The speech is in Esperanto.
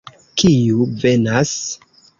Kiu venas?